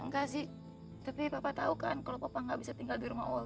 enggak sih tapi papa tau kan kalau papa gak bisa tinggal di rumah olga